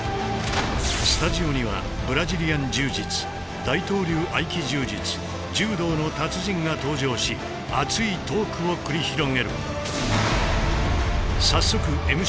スタジオにはブラジリアン柔術大東流合気柔術柔道の達人が登場し熱いトークを繰り広げる。